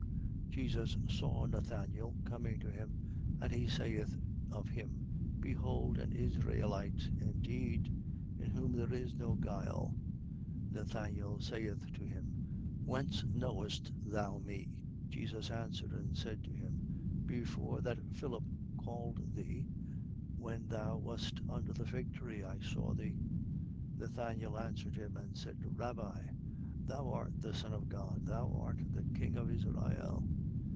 1:47. Jesus saw Nathanael coming to him and he saith of him: Behold an Israelite indeed, in whom there is no guile. 1:48. Nathanael saith to him: Whence knowest thou me? Jesus answered and said to him: Before that Philip called thee, when thou wast under the fig tree, I saw thee. 1:49. Nathanael answered him and said: Rabbi: Thou art the Son of God. Thou art the King of Israel.